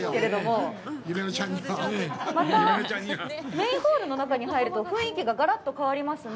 メインホールの中に入ると、雰囲気ががらっと変わりますね。